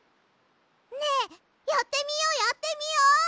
ねえやってみようやってみよう！